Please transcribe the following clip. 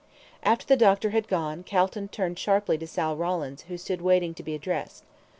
After the doctor had gone, Calton turned sharply to Sal Rawlins, who stood waiting to be addressed.